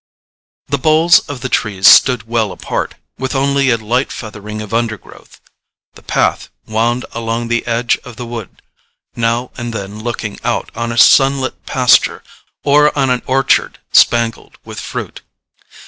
The boles of the trees stood well apart, with only a light feathering of undergrowth; the path wound along the edge of the wood, now and then looking out on a sunlit pasture or on an orchard spangled with fruit.